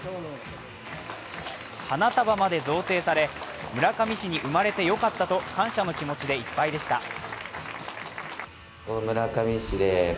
花束まで贈呈され、村上市に生まれてよかったと感謝の気持ちでいっぱいでした。